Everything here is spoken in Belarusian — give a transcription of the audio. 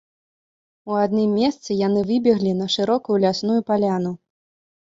У адным месцы яны выбеглі на шырокую лясную паляну.